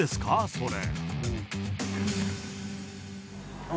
それ。